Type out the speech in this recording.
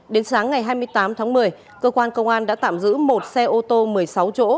đến sáng ngày hai mươi tám tháng một mươi cơ quan công an đã tạm giữ một xe ô tô một mươi sáu chỗ